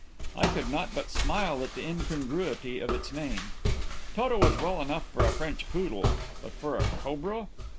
I could not but smile at the incongruity of its name. Toto was well enough for a French poodle, but for a cobra!